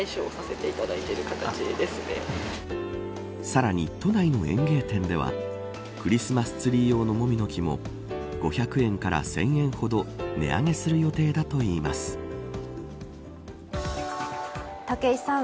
さらに都内の園芸店ではクリスマスツリー用のモミの木を５００円から１０００円ほど値上げする予定だといいます武井さん